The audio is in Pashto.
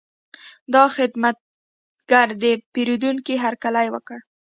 دا خدمتګر د پیرودونکي هرکلی وکړ.